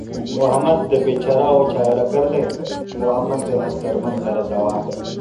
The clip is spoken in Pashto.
محمد د بېچارهوو چاره گر دئ محمد دئ هر دردمند لره دوا